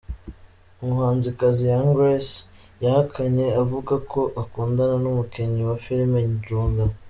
Umuhanzikazi Young Grace yahakanye avugwa ko akundana n’ umukinnyi wa filime Njuga .